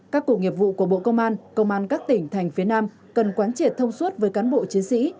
các cuộc nghiệp vụ của bộ công an công an các tỉnh thành phía nam cần quán triệt thông suốt với cán bộ chiến sĩ